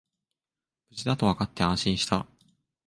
無事だとわかって安心した